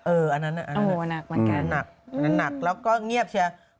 เอออันนั้นนะครับนั่นหนักแล้วก็เงียบใช่ไหม